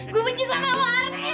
gue benci sama warteg